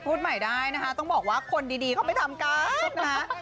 พูดใหม่ได้นะคะต้องบอกว่าคนดีเขาไปทำการนะคะ